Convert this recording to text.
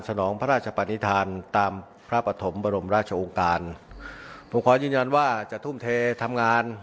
นองพระราชปนิษฐานตามพระปฐมบรมราชองค์การผมขอยืนยันว่าจะทุ่มเททำงาน